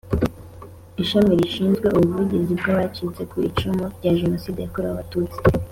Ishami rishinzwe ubuvugizi bw abacitse ku icumu rya jenoside yakorewe abatutsi